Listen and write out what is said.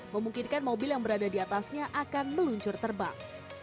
memungkinkan mobil yang berada di atasnya akan meluncur terbang